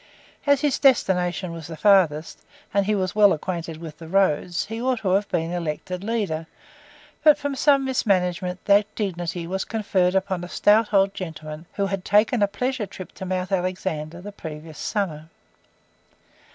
As his destination was the farthest, and he was well acquainted with the roads, he ought to have been elected leader, but from some mis management that dignity was conferred upon a stout old gentleman, who had taken a pleasure trip to Mount Alexander, the previous summer.